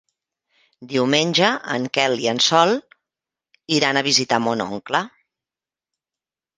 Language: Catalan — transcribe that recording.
Diumenge en Quel i en Sol iran a visitar mon oncle.